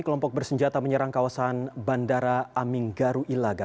kelompok bersenjata menyerang kawasan bandara aminggaru ilaga